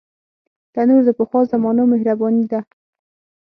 تنور د پخوا زمانو مهرباني ده